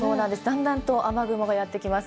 だんだんと雨雲がやってきます。